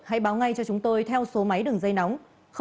hãy báo ngay cho chúng tôi theo số máy đường dây nóng